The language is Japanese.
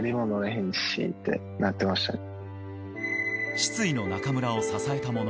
失意の中村を支えたもの。